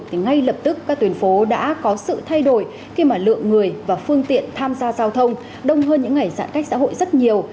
thì ngay lập tức các tuyến phố đã có sự thay đổi khi mà lượng người và phương tiện tham gia giao thông đông hơn những ngày giãn cách xã hội rất nhiều